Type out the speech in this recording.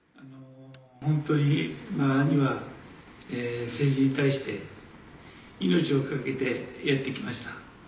本当に兄は政治に対して、命を懸けてやってきました。